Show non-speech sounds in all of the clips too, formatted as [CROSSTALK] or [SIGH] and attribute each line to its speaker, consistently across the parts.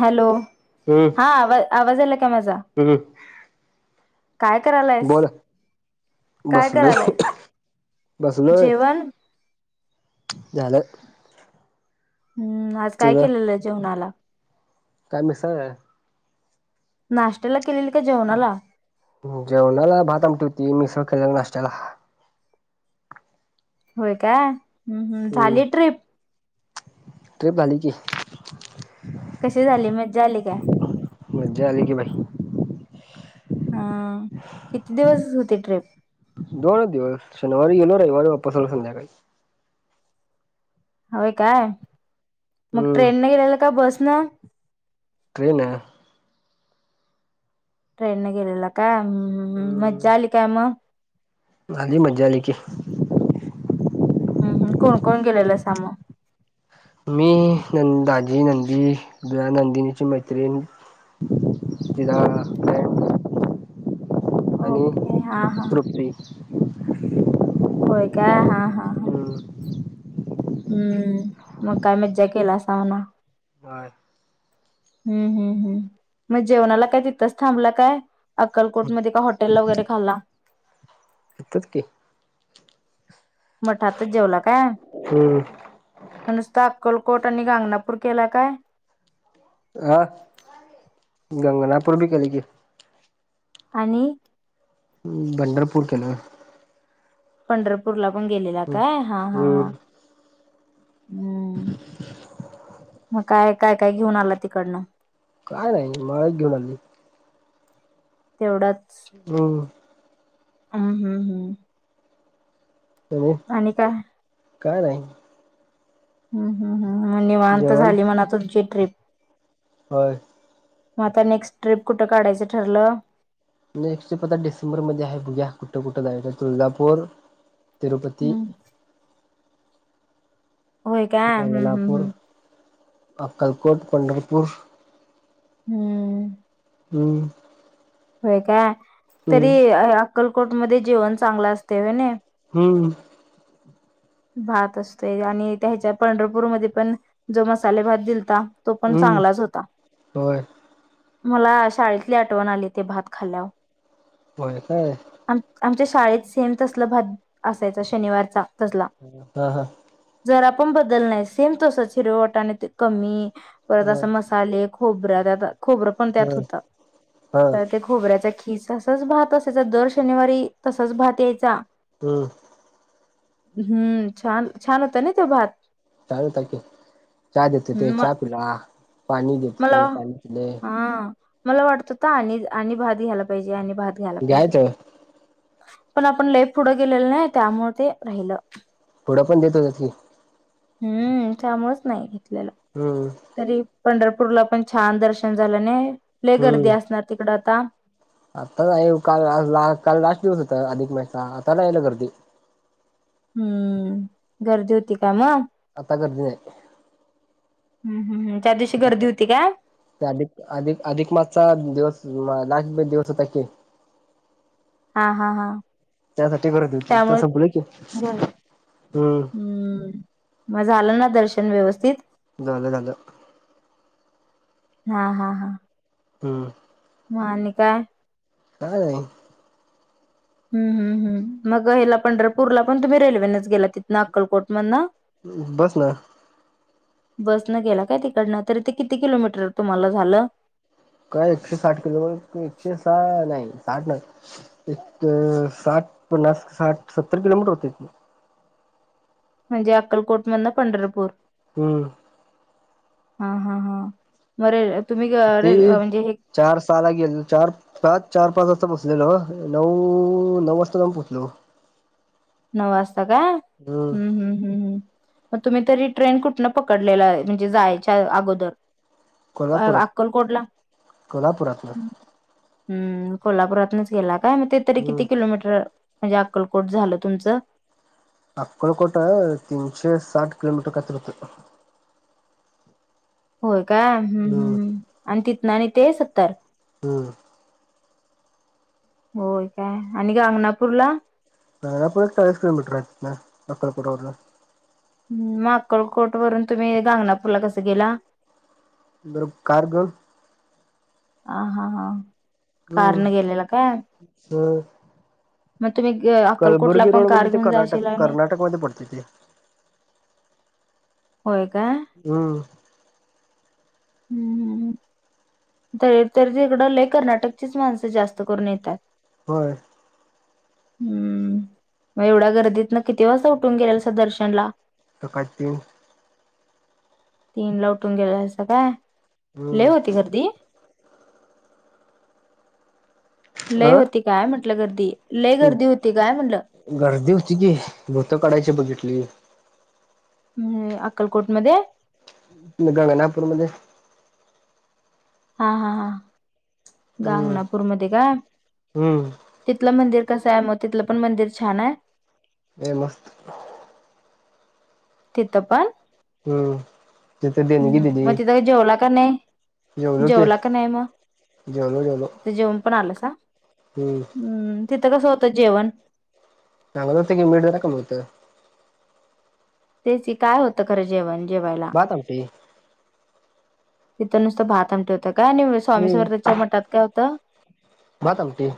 Speaker 1: Hello,
Speaker 2: हम्म
Speaker 1: हा आवा आवाज आला का माझा?
Speaker 2: हम्म
Speaker 1: काय करायलायस,
Speaker 2: बोल
Speaker 1: काय
Speaker 2: बसलोय
Speaker 1: करायलायस?
Speaker 2: बसलोय
Speaker 1: जेवण
Speaker 2: झालं
Speaker 1: हम्म, आज काय
Speaker 2: तुझं
Speaker 1: केलेलं आहे जेवणाला?
Speaker 2: काय मिसळ हाय
Speaker 1: नाश्त्याला केलेली का जेवणाला
Speaker 2: जेवणाला भात आमटी होती मिसळ केलेले नाश्त्याला
Speaker 1: होय का हम् हम्
Speaker 2: हम्म
Speaker 1: झाली ट्र्रीप
Speaker 2: ट्रिप झाली की
Speaker 1: कसे झाले मज्जा आली काय
Speaker 2: मज्जा आली की बाई
Speaker 1: हा किती दिवस होती ट्रिप
Speaker 2: दोनच शनिवारी गेलो रविवारी वापस आलो संध्याकाळी
Speaker 1: होय काय मग
Speaker 2: हम्म
Speaker 1: ट्रेनने गेलेला का बस स्
Speaker 2: ट्रेन
Speaker 1: ट्रेन न गेलेला का हम्म मज्जा आली काय मग
Speaker 2: आली मज्जा आली की मग
Speaker 1: हम्म हम कोण कोण गेलेलासा मग
Speaker 2: मी नंदाजी, नंदी, नंदिनीची मैत्रिण [INAUDIBLE] तिला
Speaker 1: हो.
Speaker 2: आणि
Speaker 1: हा
Speaker 2: तृप्ती
Speaker 1: होय काय? हा हा हा.
Speaker 2: हम्म [INAUDIBLE]
Speaker 1: हम्म मग काय मज्जा केलासा म्हणा.
Speaker 2: बर.
Speaker 1: हम्म हम्म हम् मग जेवणाला काय तिथंच थांबला काय? अक्कलकोटमध्ये काय हॉटेलला वगैरे खाल्ला.
Speaker 2: तिथंच की
Speaker 1: [INAUDIBLE] मठातच जेवला काय?
Speaker 2: हम्म
Speaker 1: [INAUDIBLE] काय नुसता अक्कलकोट आणि गाणगापूर केलाय काय?
Speaker 2: अ गंगणापूर बी केलय की.
Speaker 1: आणि
Speaker 2: पंढरपूर केलं.
Speaker 1: पंढरपूरला पण गेलेला काय? हा
Speaker 2: हम्म
Speaker 1: हा. हम्म [INAUDIBLE] म काय, काय काय घेऊन आलं तिकडनं?
Speaker 2: काय नाही माळच घेऊन आली.
Speaker 1: तेवढंच.
Speaker 2: हम्म
Speaker 1: हम्म, हम्म, हम्म. आणि काय?
Speaker 2: काय नाही.
Speaker 1: हम्म, हम्. म निवांत
Speaker 2: जेवण
Speaker 1: झाली म्हणा तुमची ट्रीप.
Speaker 2: होय.
Speaker 1: मग आता नेक्स्ट ट्रिप कुठं काढायचं ठरलं?
Speaker 2: नेक्स्ट पता डिसेंबर मध्ये आहे. बघूया कुठं-कुठं जायच. तुळजापूर तिरूपती
Speaker 1: हम्म होय काय? हम्म, हम्म,
Speaker 2: गंगनापूर
Speaker 1: हम्म.
Speaker 2: अक्कलकोट, पंढरपूर.
Speaker 1: हम्म.
Speaker 2: हम्म.
Speaker 1: होय काय?
Speaker 2: हम्म
Speaker 1: तरी अ अक्कलकोटमध्ये जेवण चांगलं असतंय व्हय नि?
Speaker 2: हम्.
Speaker 1: भात असतोय आणि त्या ह्याच्या पंढरपूरमध्ये पण जो मसाले भात दिलता तो पण
Speaker 2: हम्म
Speaker 1: चांगलाच होता.
Speaker 2: होय
Speaker 1: [INAUDIBLE] मला शाळेतली आठवण आली ते भात खाल्यावर
Speaker 2: होय काय
Speaker 1: आमच्या शाळेत सेम तसला भात असायच शनिवारचा तसला
Speaker 2: हा हा
Speaker 1: घरा पण बदल नाही सेम तसंच हिरवटा आणि ते कमी परत
Speaker 2: ह
Speaker 1: अस मसाले खोबर जदात खोबरं पण त्यात
Speaker 2: ह
Speaker 1: होत
Speaker 2: हा
Speaker 1: तर त्या खोबऱ्याचा हि तसच भात असायच दर शनिवारी तसच भात्याचा
Speaker 2: हम्म
Speaker 1: हम्म छान छान होतं ना तो भात
Speaker 2: चालू आहे चहा देतोय ते
Speaker 1: म
Speaker 2: चहा पिला पाणी देत ते
Speaker 1: मला
Speaker 2: पाणी पिलो
Speaker 1: हा मला वाटत होता आणि आणि भात घ्यायला पाहिजे आणि भात घाला पाहिजे
Speaker 2: घ्यायचं
Speaker 1: पण आपण लय पुढं गेलेलं नाही त्यामुळे ते राहिलं
Speaker 2: थोडं पण देत होत की
Speaker 1: हम्म त्याांमुळच नाही
Speaker 2: हम्म
Speaker 1: तरी पंढरपूरला पण छान दर्शन झालं नाही लय गर्दी असणार तिकड आता
Speaker 2: आताच आहे काल ला काल लास्ट दिवस होता अधिक महिचा आता नाही गर्दी,
Speaker 1: हम्म.. गर्दी होती का मग,
Speaker 2: आता गर्दी नाही.
Speaker 1: हम् हम् हम्
Speaker 2: ते अधिक, अधिक, अधिक मासचा दिवस मग लास्ट दिवस होता की,
Speaker 1: हा हा हा
Speaker 2: त्यासाठी गरज होती. आता
Speaker 1: त्यामुळे
Speaker 2: संपलं की,
Speaker 1: गर-
Speaker 2: हम्
Speaker 1: हम्म मग झालं ना दर्शन व्यवस्थित,
Speaker 2: झालं झाल
Speaker 1: हा हा हा
Speaker 2: हम्म
Speaker 1: मग आणि काय
Speaker 2: काय नाही.
Speaker 1: हम्म हम् हम मग हिला पंढरपूरला पण तुम्ही, रेल्वेनेच गेला तिथ अक्कलकोट मधन,
Speaker 2: बस ना
Speaker 1: बस न गेला काय तिकडनं तरी ते किती किलोमीटर तुम्हाला झालं,
Speaker 2: काय एकशे साठ किलो एकशे सहा नाही. साठ ना एक साठ पन्नास साठ सत्तर किलोमीटर होते.
Speaker 1: म्हणजे अक्कलकोट मधन पंढरपूर.
Speaker 2: हम्म.
Speaker 1: हा हा हा बरे
Speaker 2: ते चार साला गेले चार पाच चार पाच वाजता बस दिलेल नव नऊ नऊ वाजता जाऊन पोहोचलो.
Speaker 1: नऊ वास हो का हम्म हम्म हम्म हम्म. मग तुम्ही तरी ट्रेन कुठनं पकडलेला म्हणजे जायच्या अगोदर अ
Speaker 2: कोल्हापुरात
Speaker 1: अक्कलकोटला
Speaker 2: कोल्हापुरातन
Speaker 1: हम्म कोल्हापुरातूनच गेला. हा मग ते तरी
Speaker 2: हम्म
Speaker 1: किती किलोमीटर म्हणजे अक्कल कोट झालं तुमचं.
Speaker 2: अक्कलकोटा तीनशे साठ किलोमीटर काय तरी होत.
Speaker 1: होय का हम्म हम्म हम्म आणि तिथ आणि ते सत्तर.
Speaker 2: हम्म
Speaker 1: होय काय आणि गागंनापुरला.
Speaker 2: आपल चाळीस किलोमीटर आहे इथनं अक्कलकोट वरण.
Speaker 1: मग अक्कलकोट वरून तुम्ही गांगनापूरला कस गेला.
Speaker 2: [UNINTELLIGIBLE]
Speaker 1: आ हा हा.
Speaker 2: हम्म
Speaker 1: कारने गेलेला काय?
Speaker 2: हम्म
Speaker 1: म
Speaker 2: कलबुर्गी रोड म्हणजे ते कर्नाटक
Speaker 1: आणि
Speaker 2: कर्नाटकमध्ये पडते ते.
Speaker 1: होय का?
Speaker 2: हम्म
Speaker 1: हम्म हम्म हम्म. ते तर तिकडं लय कर्नाटकचीच माणसं जास्त करून येतात?
Speaker 2: होय.
Speaker 1: हम्म मग एवढ्या गर्दीत ना किती वाजता उठून गेलेला स दर्शन ला?
Speaker 2: [UNINTELLIGIBLE]
Speaker 1: तीन ला उठून गेलंसं काय? लय
Speaker 2: हम्म
Speaker 1: होती गर्दी? लय
Speaker 2: अ
Speaker 1: होती काय म्हट म्हटल गर्दी? लय गर्दी होती काय म्हणलं?
Speaker 2: तिथे भूत काढायची बघितली
Speaker 1: अक्कलकोटमध्ये?
Speaker 2: गंगनापूरमध्ये.
Speaker 1: हा हा हा
Speaker 2: हम्म
Speaker 1: गांगनापूरमध्ये काय?
Speaker 2: हम्म.
Speaker 1: तिथलं मंदिर कसंये मग तिथलं पण मंदिर छाने?
Speaker 2: हे मस्त.
Speaker 1: तिथं पण?
Speaker 2: हम्म तिथे देणगी
Speaker 1: हम्म
Speaker 2: दिली
Speaker 1: मग तिथं जेवला का नाही?
Speaker 2: जेवलो की
Speaker 1: जेवला का नाही? मग
Speaker 2: जेवलो जेवलो
Speaker 1: तिथं जेवून पण आलंसा?
Speaker 2: हम्म
Speaker 1: हम्म तिथं कसं होतं जेवण?
Speaker 2: चागल होत की [UNINTELLIGIBLE] मिळत.
Speaker 1: तेची काय होतं खरं जेवण? जेवायला
Speaker 2: भात आमटी.
Speaker 1: तिथ नुसतं भात आमटी काय नि स्वामी
Speaker 2: हम्म
Speaker 1: स्वर्थच्या मठात काय होत?
Speaker 2: भात आमटी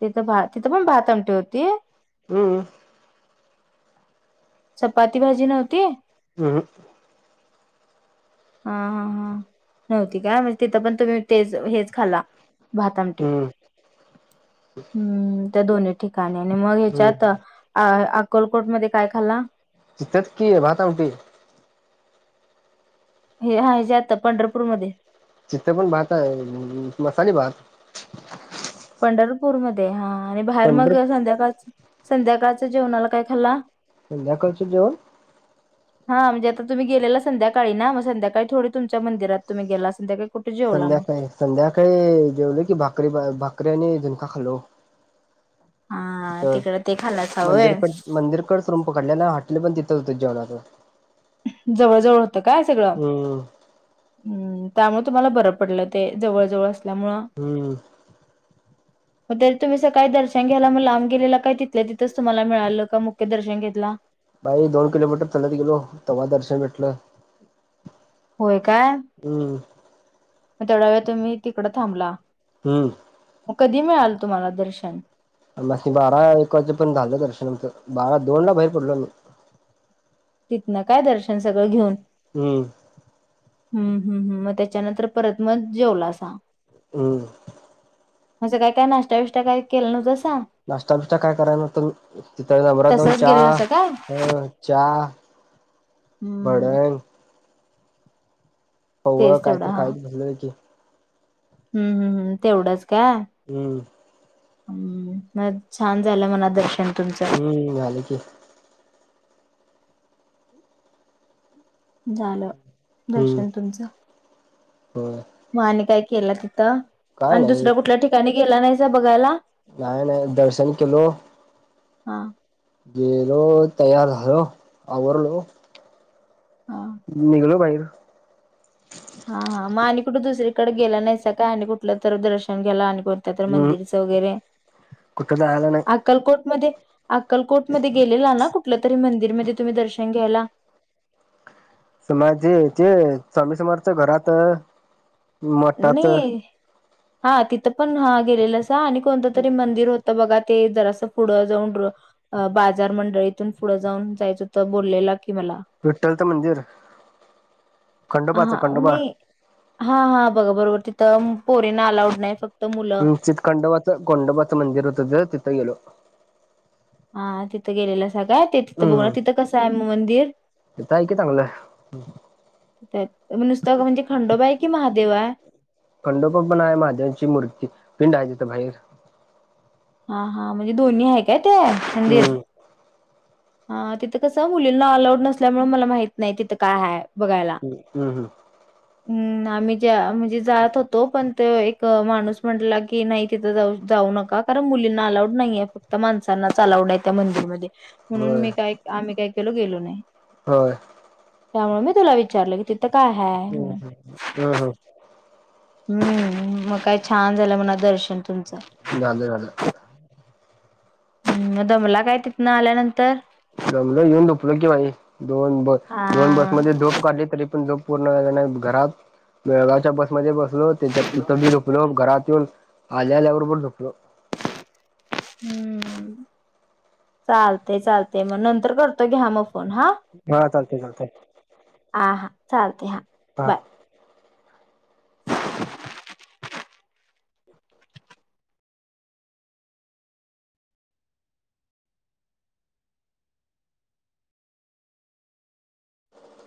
Speaker 1: तिथं भा तिथं पण भात आमटी होती?
Speaker 2: हम्म.
Speaker 1: चपाती भाजी नव्हती?
Speaker 2: हम्म.
Speaker 1: हा हा हा नव्हती काय म्हणजे तिथं पण तुम्ही तेच हेच खाल्ला? भाता आमटी
Speaker 2: हम्म
Speaker 1: हम्म. त्या दोनही ठिकाणी. आणि मग ह्याच्यात आ आ अकोलकोटमध्ये
Speaker 2: तितच कि भाता आमटी.
Speaker 1: हे हा हेच्यातं पंढरपूरमध्ये?
Speaker 2: तीथ पण भात आहे मसाली भात.
Speaker 1: पंढरपूरमध्ये हा आणि बाहेर
Speaker 2: पंढर
Speaker 1: मग संध्याकाळच संध्याकाळच्या जेवणाला काय खाल्ला.
Speaker 2: संध्याकाळचं जेवन
Speaker 1: हा म्हणजे आता तुम्ही गेलेला संध्याकाळी ना म संध्याकाळी थोडी तुमच्या मंदिरात तुम्ही गेला असन त्यापे
Speaker 2: संध्याकाळी संध्याकाळी जेवलं की भाकरी भाकरी आणि झुनका खाल्लो.
Speaker 1: हा
Speaker 2: तित
Speaker 1: तिकडं ते खाल्लासा होय.
Speaker 2: मंदिरकड मंदिरकड संप काडलेय ना हॉटेल पन तिकड तीथच जेवला आपन
Speaker 1: जवळ जवळ होतं काय सगळं
Speaker 2: हम्म
Speaker 1: हम्म. त्यामुळे तुम्हाला बरं पडलं ते जवळ जवळ अस
Speaker 2: हम्म.
Speaker 1: तरीचं तुम्ही स काही दर्शन घ्यायला लाम गेलेला काय तिथलं तिथंच तुम्हाला मिळालं का मुख्य दर्शन घेतला.
Speaker 2: बाई दोन किलोमीटर चालत गेलो तेव्हा दर्शन भेटलं.
Speaker 1: होय काय
Speaker 2: हम्म
Speaker 1: मग तेवढा वेळ तुम्ही तिकडं थांबला
Speaker 2: हम्म
Speaker 1: मग कधी मिळाल तुम्हाला दर्शन
Speaker 2: आम्हास्नी बारा एक वाजे पर्यंत पण झालं दर्शना आमचं बारा दोन ला बाहेर पडलो अमी
Speaker 1: तिथन काय दर्शन सगळं घेऊन
Speaker 2: हम्म.
Speaker 1: हम्म हम्म हम मग त्याच्यानंतर परत मग जेवलासां
Speaker 2: हम्म
Speaker 1: असं काय काय नाश्टा बिष्टा काय केलला नवतासा
Speaker 2: नाश्ता बिष्टा काय करत नसतो मि तिथ नंबरात जाउन
Speaker 1: तसच गेलेलं असं काय
Speaker 2: चहा चहा
Speaker 1: हम्म
Speaker 2: भडंग पव
Speaker 1: तेच
Speaker 2: काय
Speaker 1: तेवढं
Speaker 2: तरी
Speaker 1: हा
Speaker 2: खात बसलेल की
Speaker 1: हम्म हम् हम् तेवढंच काय
Speaker 2: हम्म
Speaker 1: हम् म छान झालं म्हणा दर्शन तुमचं
Speaker 2: हम्म झाल की
Speaker 1: झालं
Speaker 2: हम्म
Speaker 1: दर्शन तुमचं, म आणि काय केला त
Speaker 2: काय
Speaker 1: ताआणि दुसऱ्या कुठल्या ठिकाणी गेला नाहीसा बघायला?
Speaker 2: नाय नाय दर्शन केलो
Speaker 1: हा
Speaker 2: गेलो तयार झालो आवरलो
Speaker 1: हा
Speaker 2: निघलो बाहेर [UNINTELLIGIBLE]
Speaker 1: हा हा म आणि कुठं दुसरीकडे गेला नाहीसा का आणि कुठलं तर दर्शन घ्याला आणि बत
Speaker 2: हम्म
Speaker 1: मंदिरच वगैरे
Speaker 2: कुठं जायला नाही.
Speaker 1: अक्कलकोट मध्ये अक्कलकोटमध्ये गेलेला ना कुठलं तरी मंदिर मंदिरमध्ये तुम्ही दर्शन घ्यायला
Speaker 2: सु माजे जे स्वामी समर्थ घरात मठात
Speaker 1: नाही हा तिथं पण हा गेलेलं हा आणि कोणत तरी मंदिर होत बघा तिथं ते जरास पुढं जाऊन बाजार मंडळीतून पुढं जाऊन जायचं होत बोललेलं क
Speaker 2: विठ्ठलचं मंदिर खंडोबाचं खंडोबा
Speaker 1: बघ बरोबर तिथं पोरीना अलाउड नाही फक्त मुलं
Speaker 2: हम् चित खंडोबाच खंडोबाच मंदिर होत तिथ गेलो
Speaker 1: हा तिथं गेलेलं काय ते तिथ बघ
Speaker 2: हम्म
Speaker 1: तिथं कसं आहे म मंदिर
Speaker 2: तिथं आहे की चांगलं
Speaker 1: नुसत म्हणजे खंडोबा हाय कि महादेव हाय
Speaker 2: खंडोबा भाहेर
Speaker 1: हा हा म्हणजे दोन्ही हाय काय ते मंदिर
Speaker 2: हम्म
Speaker 1: हा तिथं कस मुलींना अलाऊड नसल्यामुळे मला माहित नाही तिथं काय हाय
Speaker 2: हम् हम्म हम्म
Speaker 1: हम् आम्ही ज्या म्हणजे जात होतो पण त एक माणूस म्हटला की नाही तिथं जाऊ जाऊ नका कारण मुलींना अलाऊड नाही आहे फक्त माणसांनाच अलाउड आहे त्या मंदिरमध्ये म्हणून
Speaker 2: होय
Speaker 1: मी काय आम्ही काय केलो गेलो नाही
Speaker 2: होय
Speaker 1: त्यामुळे मी तुला विचारलं की तिथं काय हाय?
Speaker 2: हम्म हम् हम् हम्
Speaker 1: हम्म मग काय छान झालं म्हणा दर्श
Speaker 2: झाल झालं
Speaker 1: ह् दमला काय तिथ न आल्यानंतर
Speaker 2: जमलं येऊन धुपलं कि बाई दोन बस
Speaker 1: आ
Speaker 2: दोन बसमध्ये झोप काढली तरी पण झो पूर्ण व्हायला नाही घरात बेळगावच्या बसमध्ये [UNINTELLIGIBLE] घरात न आल्या आल्याबरोबर झोपलो
Speaker 1: हम्म चालते चालते मग नंतर करतो घ्या मग फोन हा
Speaker 2: हा चालतंय चालतंय
Speaker 1: हा हा चालते हा बाय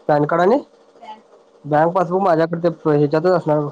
Speaker 2: पॅन कार्ड आणि बँक पासबुक माझ्याकड ह्याच्यातच असणार